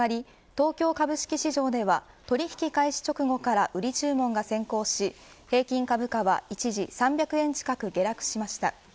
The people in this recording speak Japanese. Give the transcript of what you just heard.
東京株式市場では取引開始直後から売り注文が先行し平均株価は一時３００円近く下落しました。